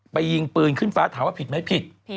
ยิงปืนขึ้นฟ้าถามว่าผิดไหมผิด